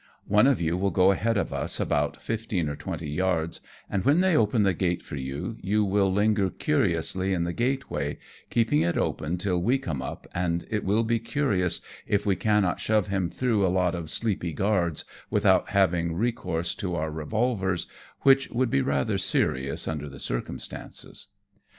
One of you will go ahead of us about fifteen or twenty yards, and when they open the gate for you, you will linger curiously in the gateway, keeping it open till we come up, and it will be curious if we cannot shove him through a lot of sleepy guards, without having recourse to our revolvers, which would be rather serious under the circumstances."